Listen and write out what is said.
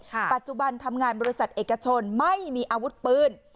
ปัจจุบันทำงานบริษัทเอกชนไม่มีอาวุธปืน